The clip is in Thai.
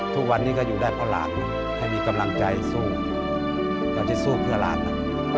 ทุกวันนี้ก็อยู่ได้เพราะหลานให้มีกำลังใจสู้ตอนที่สู้เพื่อหลานนะ